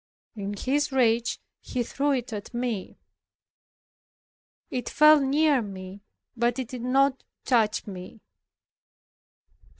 In his rage he threw it at me. It fell near me, but it did not touch me.